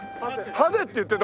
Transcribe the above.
ハゼって言ってた？